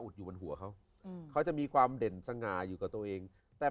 อยู่บนหัวเขาอืมเขาจะมีความเด่นสง่าอยู่กับตัวเองแต่